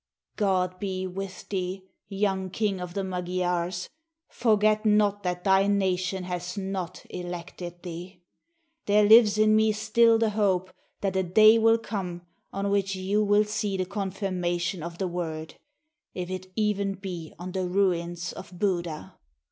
God be with thee, young King of the Magyars, forget not that thy nation has not elected thee! There lives in me still the hope that a day will come on which you will see the confirmation of the word — if it even be on the Ruins of Buda!